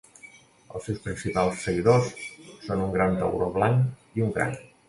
Els seus principals seguidors són un gran tauró blanc i un cranc.